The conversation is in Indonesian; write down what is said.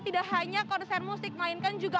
tidak hanya konser musik melainkan juga